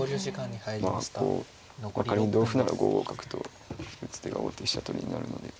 まあこう仮に同歩なら５五角と打つ手が王手飛車取りになるので。